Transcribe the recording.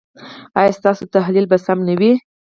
ایا ستاسو تحلیل به سم نه وي؟